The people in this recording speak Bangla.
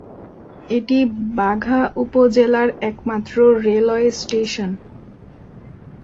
এটি বাঘা উপজেলার একমাত্র রেলওয়ে স্টেশন।